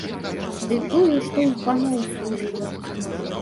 Ды тую, што ў паноў служыла.